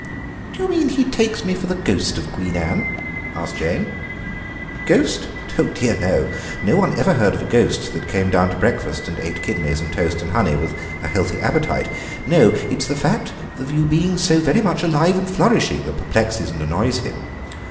"Do you mean he takes me for the ghost of Queen Anne?" asked Jane. "Ghost? Dear no. No one ever heard of a ghost that came down to breakfast and ate kidneys and toast and honey with a healthy appetite. No, it's the fact of you being so very much alive and flourishing that perplexes and annoys him.